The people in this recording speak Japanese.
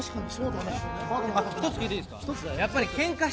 ひとつ聞いていいですか？